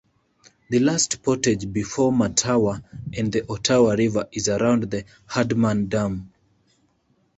The last portage before Mattawa and the Ottawa River is around the Hurdman Dam.